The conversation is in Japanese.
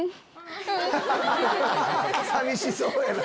寂しそうやな。